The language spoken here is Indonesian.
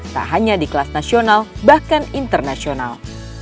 tak hanya di kelas nasional bahkan internasional